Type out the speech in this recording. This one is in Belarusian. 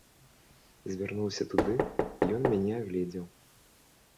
Звярнуўся туды, ён мяне агледзеў.